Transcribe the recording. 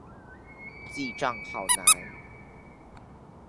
記帳好難